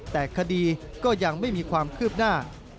แต่คดีก็ยังไม่มีความคืบหน้า